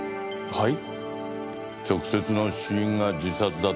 はい。